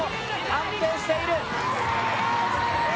安定している。